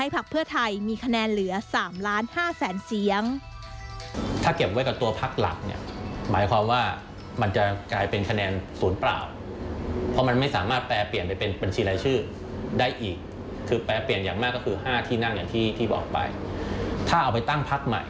พักเพื่อไทยมีคะแนนเหลือ๓๕ล้านเสียง